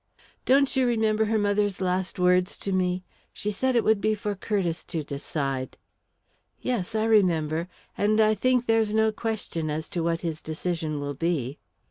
"Don't you remember her mother's last words to me? She said it would be for Curtiss to decide." "Yes, I remember. And I think there's no question as to what his decision will be."